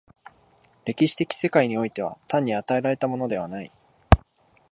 歴史的世界においては単に与えられたものはない。